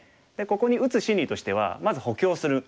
ここに打つ心理としてはまず補強するのが一つ。